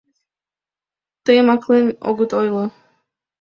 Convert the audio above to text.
Тыйым аклен огыт ойло.